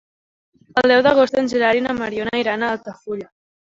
El deu d'agost en Gerard i na Mariona iran a Altafulla.